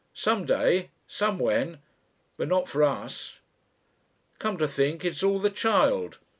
Some day. Somewhen. But not for us.... "Come to think, it is all the Child.